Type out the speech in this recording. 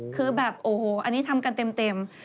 คือแบบโอ้โหอันนี้ทำกันเต็ม